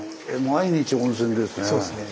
毎日温泉ですね。